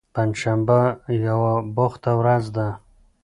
پنجشنبه یوه بوخته ورځ ده.